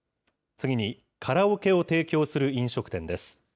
次に、カラオケを提供する飲食店です。